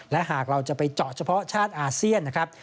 และหากเราจะไปเจาะเฉพาะชาติอาเซียนนะครับ